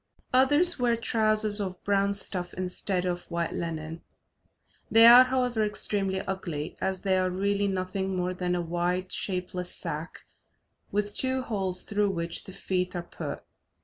Others wear trousers of brown stuff instead of white linen; they are, however, extremely ugly, as they are really nothing more than a wide shapeless sack with two holes, through which the feet are put.